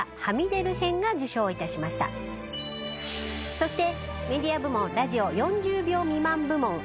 そして。